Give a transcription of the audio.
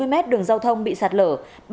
bốn mươi m đường giao thông bị sạt lở